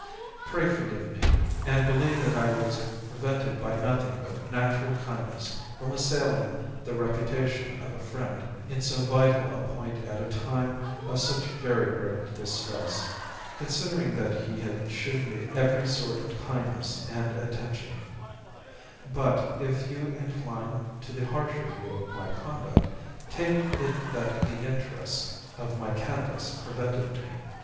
Pray forgive me, and believe that I was prevented by nothing but natural kindness from assailing the reputation of a friend in so vital a point at a time of such very great distress, considering that he had shewn me every sort of kindness and attention, But if you incline to the harsher view of my conduct, take it that the interests of my canvass prevented me.